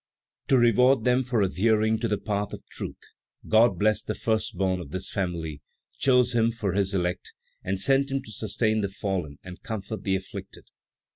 To reward them for adhering to the path of truth, God blessed the firstborn of this family; chose him for His elect, and sent him to sustain the fallen and comfort the afflicted.